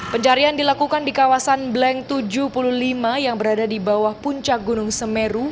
pencarian dilakukan di kawasan blank tujuh puluh lima yang berada di bawah puncak gunung semeru